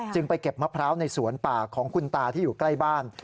ไปเก็บมะพร้าวในสวนป่าของคุณตาที่อยู่ใกล้บ้าน